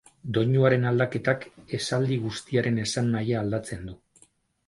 Doinuaren aldaketak esaldi guztiaren esan nahia aldatzen du.